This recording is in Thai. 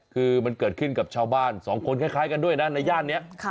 คือมันเกิดขึ้นกับชาวบ้านสองคนคล้ายกันด้วยนะในย่านนี้